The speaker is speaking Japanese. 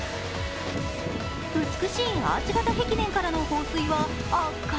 美しいアーチ型壁面からの放水は圧巻。